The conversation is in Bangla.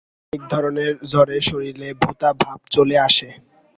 আরেক ধরনের জ্বরে শরীরে ভোঁতা ভাব চলে আসে।